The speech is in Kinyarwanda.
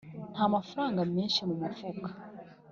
Ntamafaranga menshi mu mufuka,